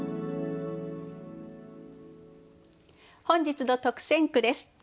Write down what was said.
本日の特選句です。